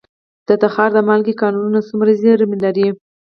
د تخار د مالګې کانونه څومره زیرمې لري؟